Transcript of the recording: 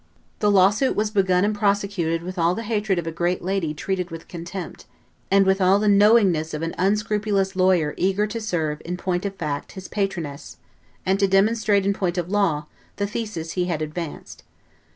The lawsuit was begun and prosecuted with all the hatred of a great lady treated with contempt, and with all the knowingness of an unscrupulous lawyer eager to serve, in point of fact, his patroness, and to demonstrate, in point of law, the thesis he had advanced.